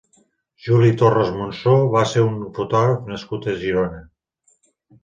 Juli Torres Monsó va ser un fotògraf nascut a Girona.